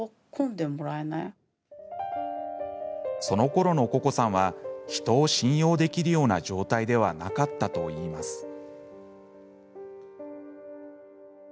そのころの、ここさんは人を信用できるような状態ではなかったと言います。